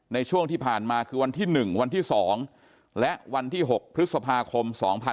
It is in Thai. ในช่วงที่ผ่านมาคือวันที่๑วันที่๒และวันที่๖พฤษภาคม๒๕๖๒